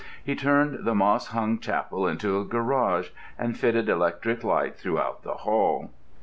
He turned the moss hung chapel into a garage, and fitted electric light throughout the Hall.